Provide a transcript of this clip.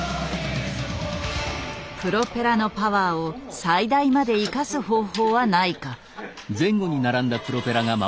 プロペラのパワーを最大まで生かす方法はないか。